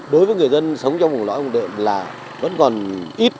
đối với người dân sống trong vùng lõi ông đệm là vẫn còn ít